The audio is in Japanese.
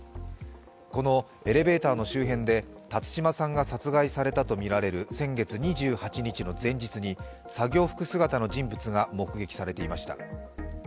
このエレベーターの周辺で辰島さんが殺害されたとみられる先月２８日の前日に作業服姿の人物が目撃されていました。